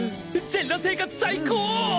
全裸生活最高！